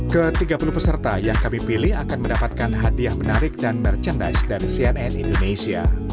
ke tiga puluh peserta yang kami pilih akan mendapatkan hadiah menarik dan merchandise dari cnn indonesia